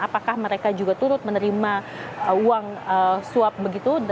apakah mereka juga turut menerima uang suap begitu